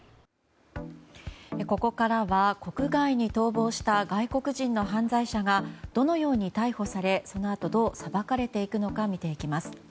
ここからは国外に逃亡した外国人の犯罪者がどのように逮捕されそのあと、どう裁かれていくのか見ていきます。